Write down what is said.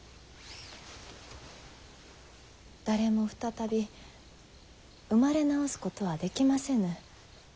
誰も再び生まれ直すことはできませぬ。